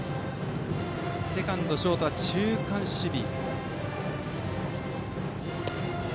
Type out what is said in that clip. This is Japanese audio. セカンドとショートは中間守備。